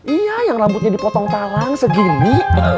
iya yang rambutnya dipotong parang segini